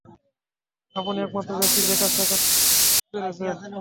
আপনিই একমাত্র ব্যক্তি যে কাজটা করতে পেরেছে।